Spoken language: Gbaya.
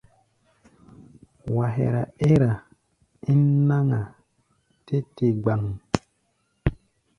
Wa hɛra ɛ́r-a ín náŋ-a tɛ́ te gbáŋ.